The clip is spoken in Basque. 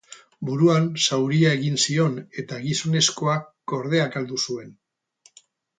Buruan zauria egin zion eta gizonezkoak kordea galdu zuen.